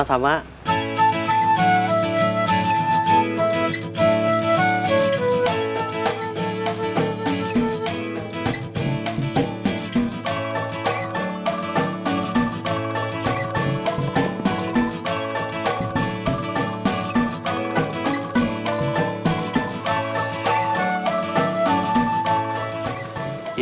ini yang dijemur tadi pagi